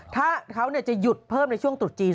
ถ้าเขาจะหยุดเพิ่มในช่วงตรุษจีน